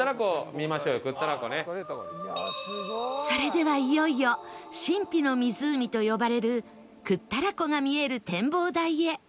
それではいよいよ神秘の湖と呼ばれる倶多楽湖が見える展望台へ